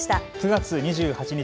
９月２８日